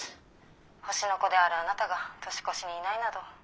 星の子であるあなたが年越しにいないなど。